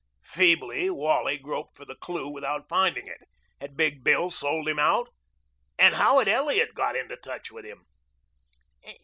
Feebly Wally groped for the clue without finding it. Had Big Bill sold him out? And how had Elliot got into touch with him?